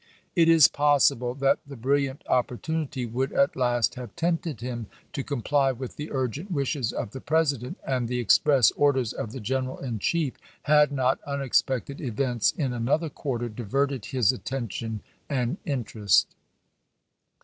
It is possible that the brilliant oppor tunity would at last have tempted him to comply with the urgent wishes of the President and the express orders of the General in Chief, had not un expected events in another quarter diverted his attention and interest.